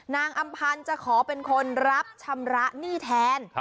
อำพันธ์จะขอเป็นคนรับชำระหนี้แทน